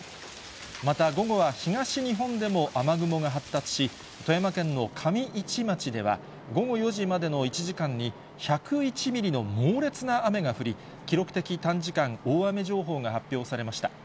また午後は東日本でも雨雲が発達し、富山県の上市町では、午後４時までの１時間に１０１ミリの猛烈な雨が降り、記録的短時間大雨情報が発表されました。